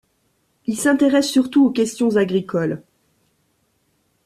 Il s'intéresse surtout aux questions agricoles.